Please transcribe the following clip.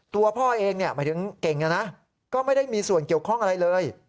ตัวพ่อเองก็ไม่ได้มีส่วนเกี่ยวข้องอะไรเลย